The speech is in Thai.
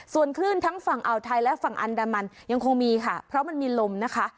ส่วนคลื่นทั้งฝั่งอ่าวไทยและฝั่งอันดามันยังคงมีค่ะเพราะมันมีลมนะคะ